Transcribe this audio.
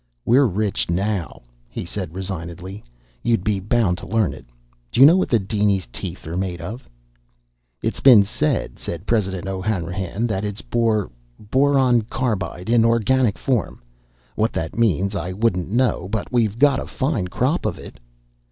"We're rich now," he said resignedly. "You'd be bound to learn it. D'you know what the dinies' teeth are made of?" "It's been said," said President O'Hanrahan, "that it's bor ... boron carbide in organic form. What that means I wouldn't know, but we've got a fine crop of it!"